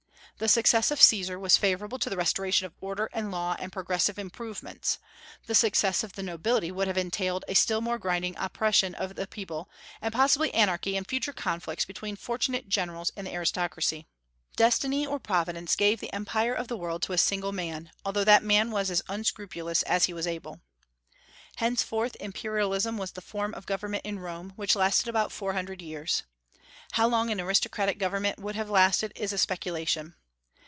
The success of Caesar was favorable to the restoration of order and law and progressive improvements; the success of the nobility would have entailed a still more grinding oppression of the people, and possibly anarchy and future conflicts between fortunate generals and the aristocracy. Destiny or Providence gave the empire of the world to a single man, although that man was as unscrupulous as he was able. Henceforth imperialism was the form of government in Rome, which lasted about four hundred years. How long an aristocratic government would have lasted is a speculation.